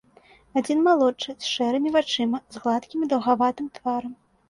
Адзін малодшы, з шэрымі вачыма, з гладкім даўгаватым тварам.